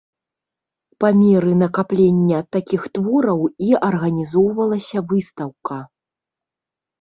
Па меры накаплення такіх твораў і арганізоўвалася выстаўка.